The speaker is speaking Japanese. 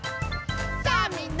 「さあみんな！